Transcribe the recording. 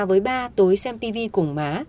với ba tối xem tv cùng má